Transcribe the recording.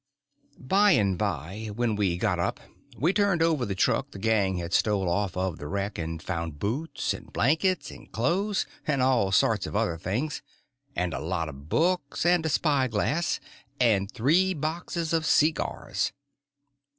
By and by, when we got up, we turned over the truck the gang had stole off of the wreck, and found boots, and blankets, and clothes, and all sorts of other things, and a lot of books, and a spyglass, and three boxes of seegars.